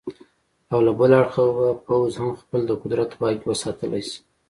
او له بله اړخه به پوځ هم خپل د قدرت واګې وساتلې شي.